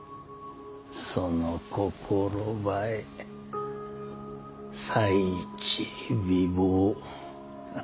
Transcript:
その心ばえ才知美貌。